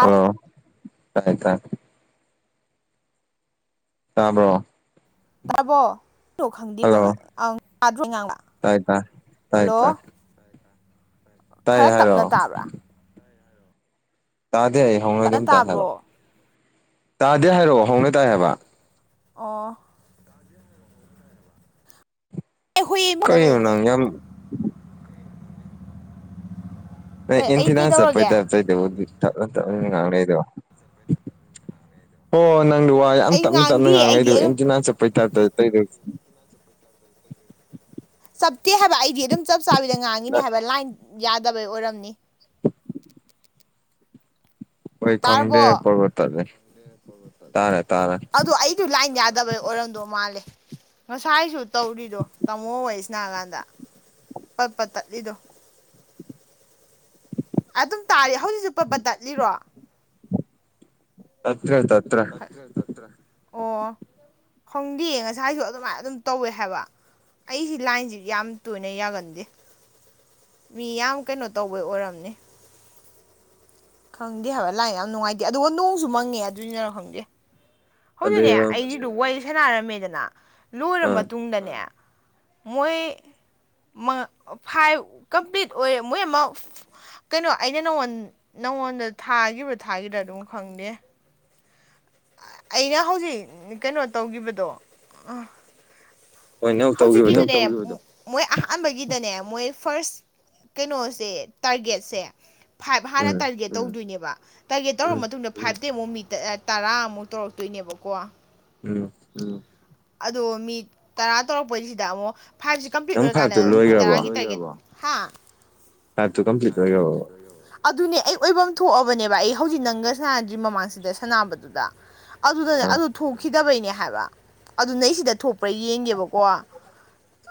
ꯍꯥꯜꯂꯣ ꯇꯥꯔꯦ ꯇꯥꯔꯦ ꯇꯥꯕ꯭ꯔꯣ [unintelligible] ꯇꯥꯏꯌꯦ ꯇꯥꯏ ꯇꯥꯏꯌꯦ ꯇꯥꯔꯦ ꯇꯥꯏꯌꯦ ꯍꯥꯏꯔꯣ ꯇꯥꯗꯦ ꯑꯩ ꯍꯧꯅ ꯑꯗꯨꯝ ꯇꯥꯏ ꯍꯥꯏꯔꯛꯑꯣ ꯇꯥꯗꯦ ꯍꯥꯏꯔꯛꯑꯣ ꯍꯧꯅ ꯇꯥꯏ ꯍꯥꯏꯕ ꯑꯣ [unintelligible] ꯅꯣꯏ ꯏꯟꯇꯤꯅ ꯆꯞꯄꯩ ꯇꯥꯏꯞ ꯇꯩꯗꯨꯕꯨꯗꯤ ꯇꯞꯅ ꯇꯞꯅ ꯉꯥꯡꯅꯩꯗꯣ ꯍꯣ ꯅꯪꯗꯤ ꯋꯥ ꯌꯥꯝ ꯇꯞꯅ ꯇꯞꯅ ꯉꯥꯡꯅꯩꯗꯨ ꯑꯦꯟꯇꯤꯅꯥ ꯆꯞꯄꯩ ꯇꯥꯏꯞ ꯇꯧꯌꯦ ꯀꯩ ꯀꯩ ꯆꯞꯇꯦ ꯍꯥꯏꯕ ꯑꯩꯗꯤ ꯑꯗꯨꯝ ꯆꯞ ꯆꯥꯕꯤꯗ ꯉꯥꯡꯉꯤꯅꯦ ꯍꯥꯏꯕ ꯂꯥꯏꯟ ꯌꯥꯗꯕꯩ ꯑꯣꯏꯔꯝꯅꯤ ꯍꯣꯏ ꯈꯪꯗꯦ ꯄꯔ ꯄꯔ ꯇꯠꯂꯦ ꯇꯥꯔꯦ ꯇꯥꯔꯦ ꯁꯨ ꯂꯥꯏꯟ ꯌꯥꯗꯕꯩ ꯑꯣꯏꯔꯝꯗꯧ ꯃꯥꯜꯂꯦ ꯉꯁꯥꯏꯁꯨ ꯇꯧꯔꯤꯗꯣ ꯇꯥꯃꯣ ꯋꯥꯔꯤ ꯁꯥꯅꯀꯥꯟꯗ ꯄꯠꯄꯠ ꯇꯠꯂꯤꯗꯣ ꯑꯗꯨꯝ ꯇꯥꯏꯌꯦ ꯍꯧꯖꯤꯛꯁꯨ ꯄꯠ ꯄꯠ ꯇꯠꯂꯤꯔꯣ ꯇꯠꯇ꯭ꯔꯦ ꯇꯠꯇ꯭ꯔꯦ ꯑꯣ ꯈꯪꯗꯦꯌꯦ ꯉꯁꯥꯏꯁꯨ ꯑꯗꯨꯃꯥꯏꯅ ꯑꯗꯨꯝ ꯇꯧꯋꯦ ꯍꯥꯏꯕ ꯑꯩꯁꯤ ꯂꯥꯏꯟꯁꯤ ꯌꯥꯝ ꯇꯣꯏꯅ ꯌꯥꯒꯟꯗꯦ ꯃꯤ ꯌꯥꯝ ꯀꯩꯅꯣ ꯇꯧꯕꯩ ꯑꯣꯏꯔꯝꯅꯤ ꯈꯪꯗꯦ ꯍꯥꯏꯕ ꯂꯥꯏꯅ ꯌꯥꯝ ꯅꯨꯡꯉꯥꯏꯇꯦ ꯑꯗꯨꯒ ꯅꯣꯡꯁꯨ ꯃꯪꯉꯦ ꯑꯗꯨꯢꯔ ꯈꯪꯗꯦ ꯍꯧꯖꯤꯛꯅꯦ ꯑꯩꯒꯤꯗꯨ ꯋꯥꯔꯤ ꯁꯥꯟꯅꯔꯝꯃꯦꯗꯅ ꯂꯣꯏꯔꯕ ꯃꯇꯨꯡꯗꯅꯦ ꯃꯣꯏ ꯐꯥꯏꯚ ꯀꯝꯄ꯭ꯂꯤꯠ ꯑꯣꯏꯌꯦ ꯃꯣꯏ ꯑꯃ ꯀꯩꯅꯣ ꯑꯩꯅ ꯅꯪꯉꯣꯟ ꯅꯪꯉꯣꯟꯗ ꯊꯥꯈꯤꯗꯕ꯭ꯔꯥ ꯊꯥꯒꯤꯗ꯭ꯔꯥ ꯑꯗꯨꯝ ꯈꯪꯗꯦ ꯑꯩꯅ ꯍꯧꯖꯤꯛ ꯀꯩꯅꯣ ꯇꯧꯈꯤꯕꯗꯣ ꯎ ꯦ [inaudible] ꯃꯣꯏ ꯑꯍꯥꯟꯕꯒꯤꯗꯅꯦ ꯃꯣꯏ ꯐꯥꯔꯁ ꯀꯩꯅꯣꯁꯦ ꯇꯥꯔꯒꯦꯠꯁꯦ ꯐꯥꯏꯚ ꯍꯥꯟꯅ ꯇꯥꯔꯒꯦꯠ ꯇꯧꯗꯣꯏꯅꯦꯕ ꯇꯥꯔꯒꯦꯠ ꯇꯧꯔ ꯃꯇꯨꯡꯗ ꯐꯕꯇ ꯇꯩ ꯑꯃꯨꯛ ꯃꯤ ꯇꯔꯥꯃꯨꯛ ꯇꯧꯔꯛꯇꯣꯏꯅꯦꯕꯀꯣ ꯎꯝ ꯑꯗꯣ ꯃꯤ ꯇꯔꯥ ꯇꯧꯔꯛꯄꯩꯁꯤꯗ ꯑꯃꯨꯛ ꯐꯥꯏꯚꯁꯤ ꯀꯝꯄ꯭ꯂꯤꯠ ꯑꯣꯏꯔꯀꯥꯟꯗ ꯃꯤ ꯇꯥꯔꯒꯤ ꯇꯥꯔꯒꯦꯠ ꯍꯥ ꯒꯥꯕꯠ ꯇꯣ ꯀꯝꯄ꯭ꯂꯤꯠ ꯑꯣꯏꯦ ꯑꯗꯨꯅꯦ ꯑꯩ ꯑꯣꯏꯐꯝ ꯊꯣꯛꯑꯕꯅꯦꯕ ꯑꯩ ꯍꯧꯖꯤꯛ ꯅꯪꯒ ꯁꯥꯟꯅꯗ꯭ꯔꯤ ꯃꯃꯥꯡꯁꯤꯗ ꯁꯥꯟꯅꯕꯗꯨꯗ ꯑꯗꯨꯗꯅꯦ ꯑꯗꯨ ꯊꯣꯛꯈꯤꯗꯕꯩꯅꯦ ꯍꯥꯏꯕ ꯑꯗꯨ ꯅꯪ ꯁꯤꯗ ꯊꯣꯛꯄ꯭ꯔꯥ ꯌꯦꯡꯒꯦꯕꯀꯣ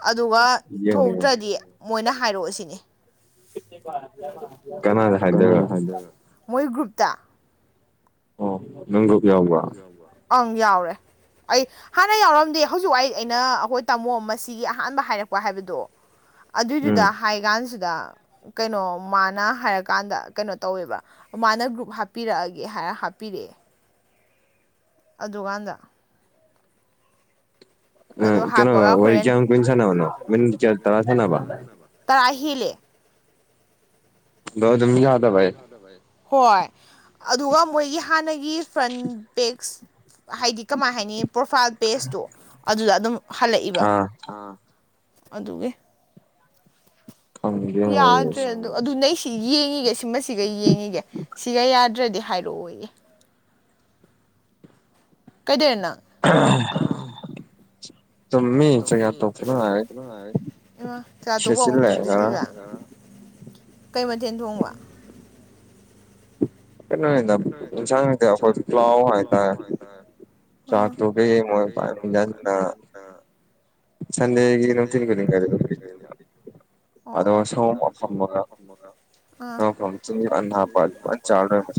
ꯑꯗꯨꯒ ꯊꯣꯛꯇ꯭ꯔꯗꯤ ꯃꯣꯏꯅ ꯍꯥꯏꯔꯛꯑꯣꯁꯤꯅꯤ ꯀꯅꯥꯗ ꯍꯥꯢꯗꯨꯢꯕ ꯃꯣꯢ ꯀꯨ꯭ꯔꯨꯞꯇ ꯑꯪ ꯌꯥꯎꯔꯦ ꯑꯩ ꯍꯥꯟꯅ ꯌꯥꯎꯔꯝꯗꯦ ꯍꯧꯖꯤꯛ ꯋꯥꯢ ꯑꯩꯅ ꯑꯩꯈꯣꯏ ꯇꯥꯃꯣ ꯑꯁꯤꯒꯤ ꯑꯍꯥꯟꯕ ꯍꯥꯏꯔꯛꯄ ꯍꯥꯏꯕꯗꯣ ꯑꯗꯨꯏꯗꯨꯗ ꯍꯥꯏ ꯀꯥꯟꯁꯤꯗ ꯀꯩꯅꯣ ꯃꯥꯅ ꯍꯥꯏꯔꯀꯥꯟꯗ ꯀꯩꯅꯣ ꯇꯧꯋꯦꯕ ꯃꯥꯅ ꯒ꯭ꯔꯨꯞ ꯍꯥꯞꯄꯤꯔꯛꯑꯒꯦ ꯍꯥꯏꯔ ꯄꯤꯔꯛꯑꯦ ꯑꯗꯨꯀꯥꯟꯗ ꯑ ꯀꯩꯅꯣ ꯋꯥꯔꯤ ꯀꯌꯥꯝ ꯀꯨꯢꯅ ꯁꯥꯟꯅꯕꯅꯣ ꯃꯤꯅꯠ ꯇꯔꯥ ꯁꯥꯟꯅꯕꯔꯣ ꯇꯥꯔꯥ ꯍꯦꯜꯂꯦ ꯍꯣꯏ ꯑꯗꯨꯒ ꯃꯣꯏꯒꯤ ꯍꯥꯟꯅꯒꯤ ꯐ꯭ꯔꯟ ꯄꯦꯛꯁ ꯍꯥꯏꯗꯤ ꯀꯃꯥꯏ ꯍꯥꯏꯅꯤ ꯄ꯭ꯔꯣꯐꯥꯏꯜ ꯄꯦꯖꯇꯣ ꯑꯗꯨꯗ ꯑꯗꯨꯝ ꯍꯜꯂꯛꯏꯕ ꯑꯗꯨꯒꯤ ꯌꯥꯗ꯭ꯔꯦ ꯑꯗꯨꯗ ꯑꯗꯨ ꯅꯪꯁꯤ ꯌꯦꯡꯉꯤꯒꯦ ꯁꯤꯃꯁꯤꯒ ꯌꯦꯡꯉꯒꯦ ꯁꯤꯒ ꯌꯥꯗ꯭ꯔꯗꯤ ꯍꯥꯏꯔꯛꯑꯣꯌꯦ ꯀꯩꯗꯧꯅꯣ ꯅꯪ ꯑ [inaudible] ꯆꯤꯛ ꯇꯣꯛꯕꯒ ꯑꯃꯨꯛ ꯇꯨꯝꯁꯤꯜꯂꯤꯕ ꯀꯩ ꯃꯊꯦꯟ ꯊꯣꯡꯕ ꯀꯩꯅꯣꯅꯤꯗ ꯌꯦꯟꯁꯥꯡ ꯅꯠꯇꯦ ꯑꯩꯈꯣꯢ ꯄ꯭ꯂꯥꯎ ꯍꯥꯢꯇꯔꯦ ꯆꯥꯥꯛ ꯇꯨꯀꯩ ꯃ ꯄꯥꯏ ꯌꯥ [inaudible] ꯑꯥ ꯁꯟꯦꯒꯤ ꯅ [inaudible] ꯇꯤꯟꯣꯅꯤ ꯀꯥꯏꯔꯤ ꯂꯗꯅꯤ ꯑ ꯑꯣ ꯁꯃꯄꯝꯕꯔ [inaudible] ꯑꯣ ꯐ ꯆ ꯍꯥ ꯆ [inaudible]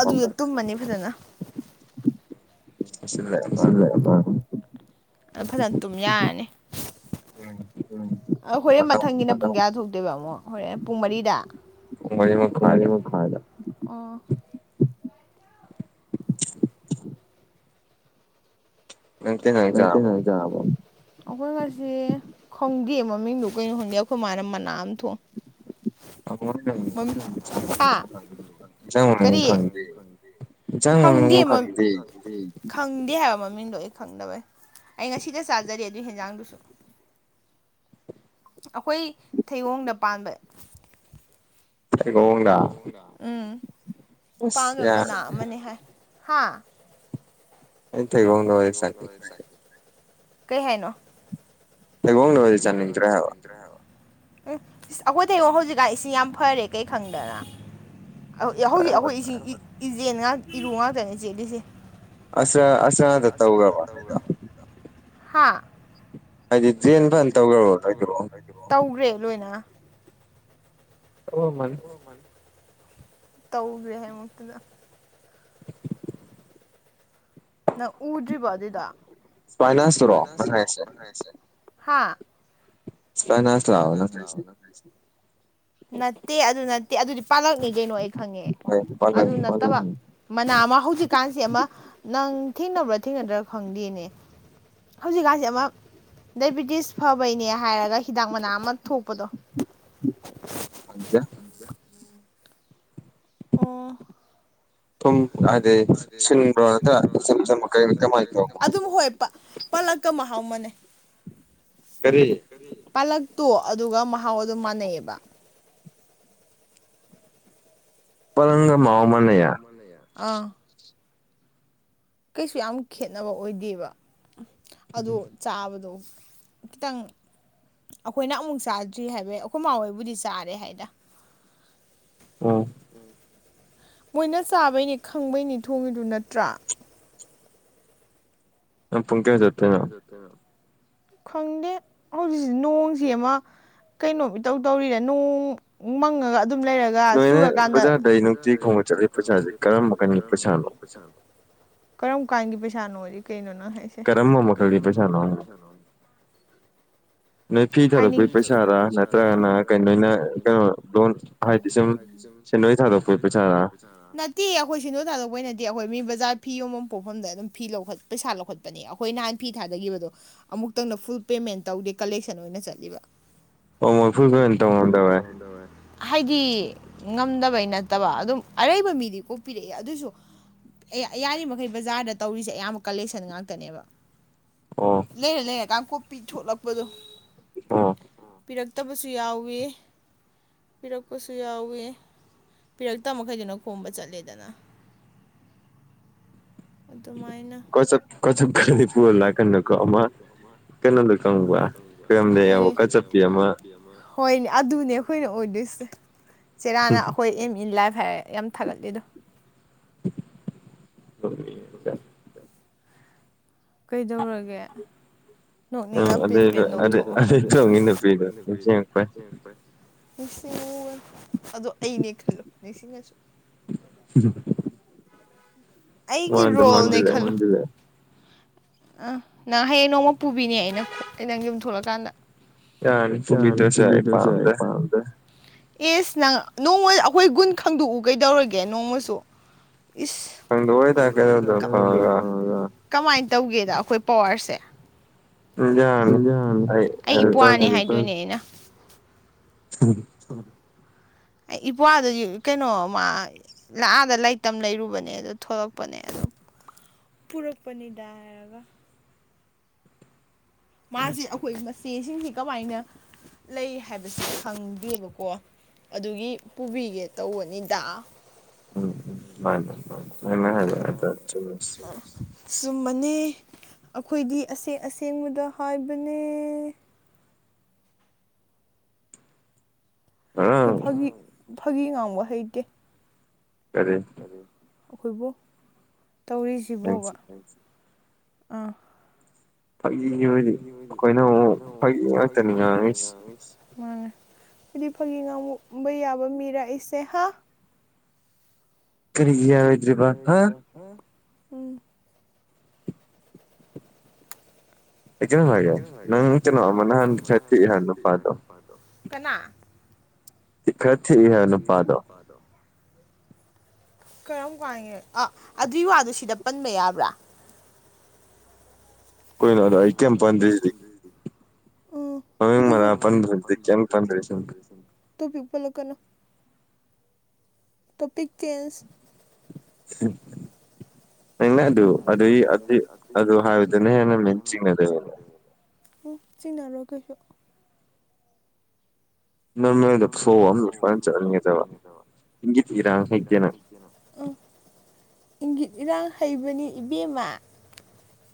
ꯑꯗꯨꯗ ꯇꯨꯝꯃꯅꯤ ꯐꯖꯅ ꯁ ꯂꯩꯦ ꯑ [inaudible] ꯑꯗꯨ ꯐꯖꯅ ꯇꯨꯝ ꯌꯥꯔꯅꯤ ꯍꯣꯔꯦꯟ ꯃꯊꯪꯒꯤꯅ ꯄꯨꯡ ꯀꯌꯥ ꯊꯣꯛꯇꯨꯢꯕ ꯑꯃꯨꯛ ꯍꯣꯔꯦꯟ ꯄꯨꯡ ꯃꯔꯤꯗ ꯀꯨꯡ ꯃꯔꯤ ꯃꯈꯥꯢꯗ [inaudible] ꯎ ꯅꯇ ꯅꯪ ꯆꯕꯣ ꯑꯩꯈꯣꯏ ꯉꯁꯤ ꯈꯪꯗꯦ ꯃꯃꯤꯡꯗꯨꯣ ꯀꯩꯅꯣ ꯈꯪꯗꯦ ꯑꯩꯈꯣꯏ ꯃꯥꯅ ꯃꯅꯥ ꯑꯃ ꯊꯣꯛ ꯑꯉ ꯊꯪ ꯏꯟꯁꯥꯡ ꯃꯕꯨ ꯈꯪꯗꯦ ꯏꯟꯁꯥꯡ ꯃꯣꯡꯕꯨ ꯈꯪꯗꯦ ꯈꯪꯗꯦ ꯍꯥꯏꯕ ꯃꯃꯤꯡꯗꯣ ꯑꯩ ꯐꯪꯗꯕꯩ ꯑꯩ ꯉꯁꯤꯗ ꯆꯥꯖꯔꯤ ꯑꯗꯨ ꯍꯦꯟꯖꯥꯡꯗꯨꯁꯨ ꯑꯩꯈꯣꯏ ꯊꯩꯑꯣꯡꯗ ꯄꯥꯟꯕ ꯂꯣꯡꯗ ꯎꯝ ꯄꯥꯡꯈ ꯃꯅꯥ ꯑꯃꯅꯤ ꯍꯥꯏ ꯍꯥ ꯊꯗ ꯁꯥ ꯀꯩ ꯍꯥꯏꯅꯣ ꯑꯩꯒꯣꯡꯡꯂꯂꯕꯦ ꯆꯥꯟꯅꯤꯡꯇꯔ ꯍꯥꯏ ꯆꯠꯇ꯭ꯔꯕ ꯎꯝ ꯑꯩꯈꯣꯏꯗꯉꯛ ꯍꯧꯖꯤꯛꯀꯥꯟ ꯏꯁꯤꯡ ꯌꯥꯝ ꯐꯔꯦ ꯀꯩ ꯈꯪꯗꯅ ꯍꯧꯖꯤꯛ ꯑꯩꯈꯣꯏ ꯏꯁꯤꯡ ꯏꯆꯦꯟ ꯏꯔꯨ ꯉꯥꯛꯇꯅꯦ ꯆꯦꯜꯂꯤꯁꯦ ꯑꯁ ꯑꯁꯥꯗ ꯇꯧꯒ ꯋꯥꯣꯗ ꯍꯥꯥ ꯍꯥꯏꯗꯤ ꯖꯦꯟ ꯐꯅ ꯇꯧꯈ꯭ꯔꯣꯗꯣ ꯇꯧꯈ꯭ꯔꯦ ꯂꯣꯏꯅ ꯑꯣꯃꯟ ꯃ ꯇꯧꯕ꯭ꯔꯦ ꯍꯥꯏ ꯃꯨꯛꯇꯗ [inaudible] ꯅꯪ ꯎꯗ꯭ꯔꯤꯕ ꯑꯗꯨꯗꯑꯣ ꯍꯥꯥ ꯄꯅꯥꯁ ꯂꯑꯣꯅ ꯍꯥꯏ ꯅꯠꯇꯦ ꯑꯗꯨ ꯅꯠꯇꯦ ꯑꯗꯨꯗꯤ ꯄꯥꯜꯂꯛꯅꯤ ꯀꯩꯅꯣ ꯑꯩ ꯈꯪꯉꯦ ꯑꯗꯨ ꯅꯠꯇꯕ ꯃꯅꯥ ꯑꯃ ꯍꯧꯖꯤꯛꯀꯥꯟꯁꯤ ꯑꯃ ꯅꯪ ꯊꯦꯡꯅꯕ꯭ꯔꯥ ꯊꯦꯡꯅꯗ꯭ꯔꯥ ꯈꯪꯗꯦꯅꯦ ꯍꯧꯖꯤꯛꯀꯥꯟꯁꯤꯦ ꯑꯃꯛ ꯗꯥꯏꯕꯤꯇꯤꯁ ꯐꯕꯩꯅꯦ ꯍꯥꯏꯔꯒ ꯍꯤꯗꯥꯛ ꯃꯅꯥ ꯑꯃ ꯊꯣꯛꯄꯗꯣ ꯍꯪꯗ ꯑꯣ ꯊꯨꯝ ꯍꯥꯏꯗꯤ ꯁꯤꯟꯕ꯭ꯔꯣ ꯅꯠꯇ ꯁꯤꯝ ꯀꯩ ꯀꯃꯥꯏꯅ ꯇꯧꯕꯅꯣ ꯄꯥꯂꯛꯀ ꯃꯍꯥꯎ ꯃꯅꯦ ꯄꯥꯂꯛꯇꯣ ꯑꯗꯨꯒ ꯃꯍꯥꯎ ꯑꯗꯨꯣ ꯃꯥꯟꯅꯩꯑꯕ ꯄꯔꯪꯒ ꯃ ꯃꯅ ꯑꯥ ꯀꯩꯁꯨ ꯌꯥꯝ ꯈꯦꯠꯅꯕ ꯑꯣꯏꯗꯦꯕ ꯑꯗꯣ ꯆꯥꯕꯗꯣ ꯈꯤꯇꯪ ꯑꯩꯈꯣꯏꯅ ꯑꯃꯨꯛ ꯆꯥꯗ꯭ꯔꯤ ꯍꯥꯏꯕ ꯑꯩꯈꯣꯏ ꯃꯥ ꯍꯣꯏꯕꯨꯗꯤ ꯆꯥꯔꯦ ꯍꯥꯏꯗ ꯑꯣ ꯃꯣꯏꯅ ꯆꯥꯕꯩꯅꯤ ꯈꯪꯕꯩꯅꯤ ꯊꯣꯡꯉꯤꯗꯨ ꯅꯠꯇ꯭ꯔꯥ ꯌꯥꯝ ꯄꯨꯡꯪꯀꯦꯁꯖꯠꯇꯦꯅꯣ ꯑ ꯈꯪꯗꯦ ꯍꯧꯖꯤꯛꯁꯤ ꯅꯣꯡꯁꯤ ꯑꯃ ꯀꯩꯅꯣꯕꯤꯇꯧ ꯇꯧꯔꯤꯔꯦ ꯅꯅꯨꯡ ꯃꯪꯉꯒ ꯑꯗꯨꯝ ꯂꯩꯔꯒ ꯨꯔꯀꯥꯟꯗꯤꯕꯠꯔ ꯃꯈꯣ ꯀꯔꯝ ꯀꯥꯟꯒꯤ ꯄꯩꯁꯥꯅꯣꯖꯤ ꯀꯩꯅꯣꯅ ꯍꯥꯏꯁꯦ ꯀꯔꯝ ꯃꯀꯂꯤ ꯄꯩꯁꯥꯅꯣ ꯅꯣꯏ ꯐꯤ ꯊꯥꯔꯛꯄꯒꯤ ꯄꯩꯁꯥꯔ ꯅꯠꯇ꯭ꯔꯒꯅ ꯀ ꯅꯣꯏꯅ ꯀꯩꯅꯣ ꯂꯣꯟ ꯍꯥꯏꯗꯤ ꯁꯨꯝ ꯁꯤ ꯅꯣꯏ ꯊꯥꯗ [unintelligible] ꯅꯠꯇꯦ ꯑꯩꯈꯣꯏ ꯁꯤꯗꯣ ꯇꯥꯗꯣꯛꯄꯅꯗꯤꯦ ꯑꯩꯈꯣꯏ ꯃꯤ ꯕꯖꯥꯔ ꯐꯤ ꯌꯣꯟꯐꯝ ꯄꯣꯛꯐꯝꯗ ꯑꯗꯨꯝ ꯐꯤ ꯂꯧꯈꯠ ꯄꯩꯁꯥ ꯂꯧꯈꯠꯄ ꯆꯠꯅꯦ ꯑꯩꯈꯣꯏ ꯅꯍꯥꯟ ꯐꯤ ꯊꯥꯗꯈꯤꯕꯗꯣ ꯑꯃꯨꯛꯇꯪꯅ ꯐꯨꯜ ꯄꯦꯃꯦꯟ ꯇꯧꯗꯦ ꯀꯂꯦꯛꯁꯟ ꯑꯣꯏꯅ ꯆꯠꯂꯤꯕ꯫ ꯑꯣ ꯃꯣꯏ ꯐꯨꯜ [unintelligible] ꯍꯥꯏꯗꯤ ꯉꯝꯗꯕꯩ ꯅꯠꯇꯕ ꯑꯗꯨꯝ ꯑꯔꯩꯕ ꯃꯤꯗꯤ ꯀꯣꯛꯄꯤꯔꯛꯑꯦ ꯑꯗꯨꯁꯨ ꯑꯦ ꯌꯥꯔꯤꯕꯃꯩ ꯕꯖꯥꯔꯗ ꯇꯧꯔꯤꯁꯦ ꯑꯌꯥꯝꯕ ꯀꯂꯦꯛꯁꯟ ꯉꯥꯛꯇꯅꯦꯕ꯫ ꯂꯩꯔꯦ ꯂꯩꯔꯦ ꯀꯥꯡꯀꯨꯞꯄꯤ ꯊꯣꯛꯂꯛꯄꯗꯣ꯫ ꯑꯣ ꯄꯤꯔꯛꯇꯕꯁꯨ ꯌꯥꯎꯋꯤ꯫ ꯄꯤꯔꯛꯄꯁꯨ ꯌꯥꯎꯋꯤ ꯄꯤꯔꯛꯇꯃꯩꯗꯨꯅ ꯈꯣꯝꯕ ꯆꯠꯂꯦꯗꯅ꯫ ꯑꯗꯨ ꯃꯥꯏꯅ [unintelligible] ꯀꯩꯅꯣꯗꯣ ꯈꯪꯍꯧꯕꯔ ꯀꯩꯔꯝꯗ ꯑꯃꯕꯛ ꯀꯆꯠꯄꯤ ꯑꯃ ꯍꯣꯏꯅꯦ ꯑꯗꯨꯅꯦ ꯑꯩꯈꯣꯏꯅ ꯑꯣꯏꯗꯣꯏꯁꯦ ꯆꯦꯔꯥꯅ ꯑꯩꯈꯣꯏ ꯑꯦꯝ ꯏꯟ ꯂꯥꯏꯐ ꯍꯥꯏꯔꯦ ꯌꯥꯝ ꯊꯥꯒꯠꯂꯤ ꯑꯗꯣ [unintelligible] ꯀꯩꯗꯧꯔꯒꯦ꯫ [unintelligible] [unintelligible] ꯑꯗꯣ ꯑꯩꯅꯦ ꯈꯜꯂꯣ ꯅꯤꯡꯁꯤꯡꯉꯁꯨ [unintelligible] ꯑꯩꯒꯤ ꯔꯣꯜꯅꯦ ꯈꯟꯂꯨ [unintelligible] ꯑꯥ ꯅꯪ ꯍꯌꯦꯡ ꯅꯣꯡꯃ ꯄꯨꯕꯤꯅꯦ ꯑꯩꯅ ꯅꯪ ꯌꯨꯝ ꯊꯣꯛꯂꯀꯥꯟꯗ꯫ ꯌꯔꯅꯤ ꯄꯨꯕꯤꯗꯔꯁꯨ ꯑꯩ ꯄꯥꯝꯗꯔꯦ꯫ ꯑꯦꯁ ꯅꯪ ꯅꯣꯡꯃ ꯑꯩꯈꯣꯏ ꯒꯨꯟ ꯈꯪꯗꯣꯛꯎ ꯀꯩꯗꯧꯔꯒꯦ ꯅꯣꯡꯃꯁꯨ꯫ [unintelligible] ꯏ ꯀꯃꯥꯏ ꯇꯧꯒꯦꯗ ꯑꯩꯈꯣꯏ ꯄꯋꯥꯔꯁꯦ ꯑꯩꯒꯤ ꯏ ꯄꯨꯋꯥ꯭ ꯄꯨꯋꯥꯋꯥꯅꯤ ꯍꯥꯏ꯫ [unintelligible] ꯎꯝ [unintelligible] ꯑꯩ ꯏꯄ꯭ꯋꯥꯗꯨ ꯀꯩꯅꯣꯃ ꯂ ꯑꯥꯗ ꯂꯩꯇꯝ ꯂꯩꯔꯨꯕꯅꯦ ꯑꯗꯨꯗ ꯊꯣꯛꯂꯛꯄꯅꯦ ꯑꯗꯨ ꯄꯨꯔꯛꯄ ꯅꯤꯗ ꯍꯥꯏꯔꯒ ꯃꯥꯁꯤ ꯑꯈꯣꯏ ꯃꯆꯦꯁꯤꯡꯁꯤ ꯀꯃꯥꯏꯅ ꯂꯩ ꯍꯥꯏꯕꯁꯤ ꯈꯪꯗꯦꯕꯀꯣ꯫ ꯑꯗꯨꯒꯤ ꯄꯨꯕꯤꯒꯦ ꯇꯧꯕꯅꯤꯗ [unintelligible] ꯆꯨꯝꯕꯅꯦ ꯑꯈꯣꯏꯗꯤ ꯑꯁꯦꯡ ꯑꯁꯦꯡꯕꯗ ꯍꯥꯏꯕꯅꯦ꯫ ꯑꯈꯣꯏ ꯐꯥꯒꯤ ꯐꯥꯒꯤ ꯉꯥꯡꯕ ꯍꯩꯇꯦ꯫ ꯀꯔꯤ ꯑꯩꯈꯣꯏꯕꯨ ꯇꯧꯔꯤꯁꯤꯕꯨꯕ ꯑꯥ ꯐꯥꯒꯤꯒꯤ ꯑꯣꯏꯗꯤ ꯑꯩꯈꯣꯏꯅ ꯐꯥꯒꯤ ꯉꯥꯛꯇꯅꯤ ꯉꯥꯡꯏꯁꯤ꯫ ꯎ ꯍꯥꯏꯗꯤ ꯐꯥꯒꯤ ꯉꯥꯡꯕ ꯌꯥꯕ ꯃꯤꯔꯛꯏꯁꯦ ꯍꯥ [inaudible] ꯀꯔꯤꯒꯤ ꯌꯥꯔꯣꯏꯗ꯭ꯔꯤꯕ ꯍꯥ [unintelligible] ꯎꯝ ꯑꯩ ꯀꯩꯅꯣ ꯍꯥꯏꯒꯦ ꯅꯪ [unintelligible] ꯈꯔ ꯄꯤꯛꯏ ꯍꯥꯏ ꯅꯨꯄꯥꯗꯨ ꯀꯅꯥ [unintelligible] ꯀꯔꯝ ꯀꯥꯟꯒ ꯑ ꯑꯗꯨꯏ ꯋꯥꯗꯨꯣ ꯁꯤꯗ ꯄꯟꯕ ꯌꯥꯕ꯭ꯔꯥ꯫ [unintelligible] ꯀꯦꯝ ꯄꯟꯗ꯭ꯔꯤ ꯎꯝ [unintelligible] ꯄꯜ ꯂꯛꯀꯅꯣ꯫ ꯇꯣꯄꯤꯛ ꯆꯦꯟꯁ [unintelligible] ꯅꯩꯅ ꯑꯗꯨ ꯑꯗꯨꯏ ꯑꯗꯨ ꯑꯗꯨ ꯍꯥꯏꯕꯗꯨꯅ ꯍꯦꯟꯅ ꯃꯤ ꯆꯤꯡꯅꯗꯣꯏꯅꯤꯅꯦ꯫ ꯎ ꯆꯤꯡꯅꯔꯣ ꯀꯩꯁꯨ ꯅꯣꯔꯃꯦꯜꯗ ꯁꯣ [unintelligible] ꯆꯠꯍꯟꯒꯗꯕ ꯏꯟꯒꯤꯠ ꯏꯔꯥꯡ ꯍꯩꯇꯦ ꯅꯪ ꯑ ꯏꯟꯒꯤꯠ ꯏꯔꯥꯡ ꯍꯩꯕꯅꯤ ꯏꯕꯦꯝꯃ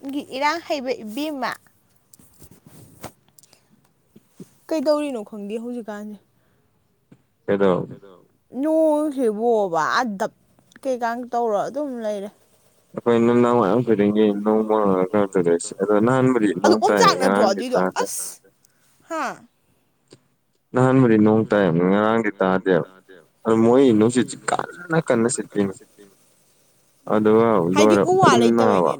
ꯏꯟꯒꯤꯠ ꯏꯔꯥꯡ ꯍꯩꯕ ꯏꯕꯦꯝꯃ ꯀꯩꯗꯧꯔꯤꯅꯣ ꯈꯪꯗꯦ ꯍꯧꯖꯤꯛꯀꯥꯟꯖꯦ [unintelligible] ꯅꯣ ꯍꯦꯕꯣꯕ ꯑꯗꯞ ꯀꯩꯀꯥꯡ ꯇꯧꯔ ꯑꯗꯨꯝ ꯂꯩꯔꯦ [unintelligible] ꯑꯗꯣ ꯅꯥꯥꯟꯕꯗꯤ ꯅꯣꯡ ꯇꯥꯏ ꯉꯔꯥꯡꯗꯤ ꯇꯥ [unintelligible] ꯍꯥꯥ ꯅꯍꯥꯟꯕꯨꯗꯤ ꯅꯣꯡ ꯇꯥꯏꯕ ꯉꯔꯥꯡꯗꯤ ꯇꯥꯗꯦꯕ ꯑꯗꯨ ꯃꯣꯏ ꯅꯨꯡꯁꯤꯠꯁꯤ ꯀꯟꯅ ꯀꯟꯅ ꯁꯤꯠꯂꯤꯅꯦ [inaudible] [unintelligible] ꯎꯐꯨꯟꯅꯕ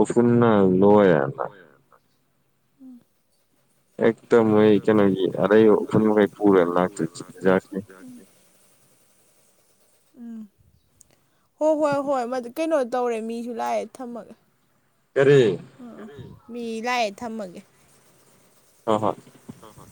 ꯎꯐꯨꯟꯅ ꯂꯣꯏꯌꯦꯕ ꯍꯦꯛꯇ ꯃꯣꯏ ꯀꯩꯅꯣꯒꯤ ꯑꯔꯩꯕ ꯎꯐꯨꯟ ꯃꯈꯩ ꯄꯨꯔꯥ ꯂꯥꯛꯇꯣꯏ [unintelligible] ꯈꯪꯗꯦ ꯎꯝ ꯍꯣꯏ ꯍꯣꯏ ꯍꯣꯏ ꯃꯗꯨ ꯀꯩꯅꯣ ꯇꯧꯔꯦ ꯃꯤꯁꯨ ꯂꯥꯛꯑꯦ ꯊꯝꯃꯒꯦ ꯀꯔꯤ ꯎꯝ ꯃꯤ ꯂꯥꯛꯑꯦ ꯊꯝꯃꯒꯦ ꯍꯣꯏ ꯍꯣꯏ ꯍꯣꯏ ꯍꯣꯏ